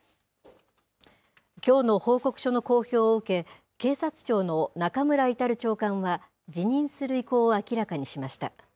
きょうの報告書の公表を受け、警察庁の中村格長官は辞任する意向を明らかにしました。